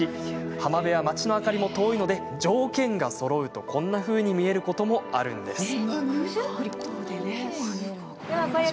浜辺は町の明かりも遠いので条件がそろうと、こんなふうに見えることもあるんです。